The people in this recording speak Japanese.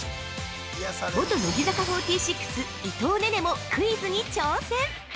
◆元乃木坂４６・伊藤寧々もクイズに挑戦！